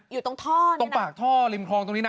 อยู่ตรงท่อตรงปากท่อริมคลองตรงนี้นะ